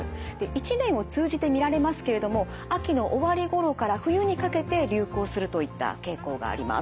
１年を通じて見られますけれども秋の終わりごろから冬にかけて流行するといった傾向があります。